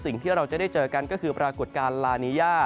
สิ่งที่เราจะได้เจอกันก็คือปรากฏการณ์ลานีย่า